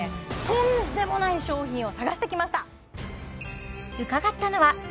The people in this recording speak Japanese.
とんでもない商品を探してきました